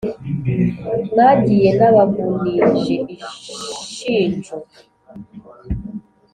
mwagiye nabavunije ishinjo